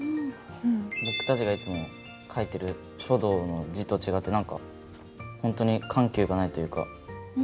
僕たちがいつも書いてる書道の字と違って本当に緩急がないというか。